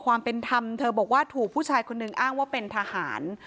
ความเป็นธรรมเธอบอกว่าถูกผู้ชายคนหนึ่งอ้างว่าเป็นทหาร